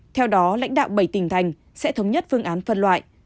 theo đó lãnh đạo bảy tỉnh thành sẽ thống nhất phương án phân loại